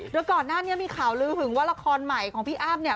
โดยก่อนหน้านี้มีข่าวลือหึงว่าละครใหม่ของพี่อ้ำเนี่ย